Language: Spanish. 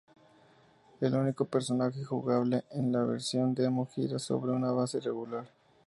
El único personaje jugable en la versión demo gira sobre una base regular.